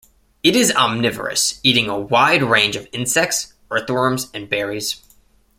It is omnivorous, eating a wide range of insects, earthworms and berries.